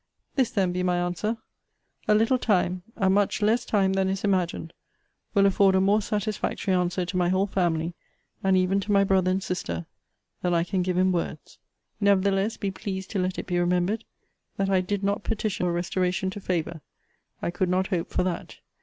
This then be my answer: 'A little time, a much less time than is imagined, will afford a more satisfactory answer to my whole family, and even to my brother and sister, than I can give in words.' Nevertheless, be pleased to let it be remembered, that I did not petition for a restoration to favour. I could not hope for that.